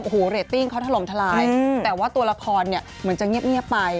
โอ้โหเรตติ้งเขาถล่มทลายแต่ว่าตัวละครเนี่ยเหมือนจะเงียบไป